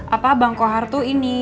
apa bang kohar tuh ini